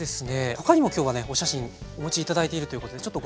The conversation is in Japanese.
他にも今日はねお写真お持ち頂いているということでちょっとご覧頂きましょう。